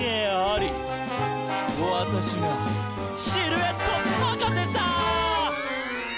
「私が、シルエットはかせさ！」